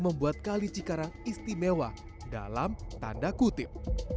hal itu membuat kali cikarang istimewa dalam tanda kutip